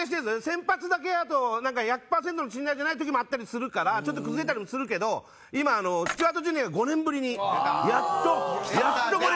先発だけあと１００パーセントの信頼じゃない時もあったりするからちょっと崩れたりもするけど今スチュワート・ジュニアが５年ぶりにやっとやっとこれが。